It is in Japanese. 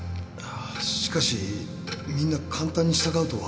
しかしみんな簡単に従うとは。